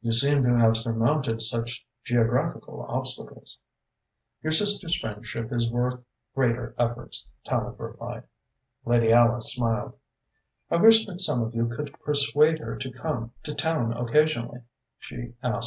"You seem to have surmounted such geographical obstacles." "Your sister's friendship is worth greater efforts," Tallente replied. Lady Alice smiled. "I wish that some of you could persuade her to come to town occasionally," she said.